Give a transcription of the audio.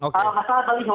kalau masalah baliho